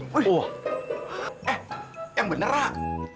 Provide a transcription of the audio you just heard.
wih eh yang bener lah